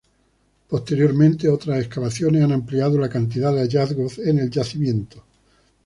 Posteriormente, otras excavaciones han ampliado la cantidad de hallazgos en el yacimiento.